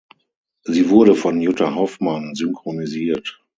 Sie wurde von Jutta Hoffmann synchronisiert.